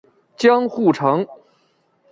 江户城。